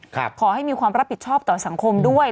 ขอให้มีความรับผิดชอบต่อสังคมด้วย